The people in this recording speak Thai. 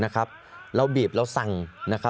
สามารถรู้ได้เลยเหรอคะ